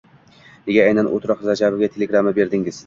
— Nega aynan o‘rtoq Rajabovga telegramma berdingiz?